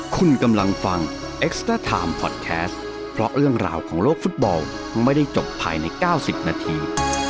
คุณกำลังฟังเอ็กซ์เตอร์ไทม์พอดแคสต์เพราะเรื่องราวของโลกฟุตบอลไม่ได้จบภายใน๙๐นาที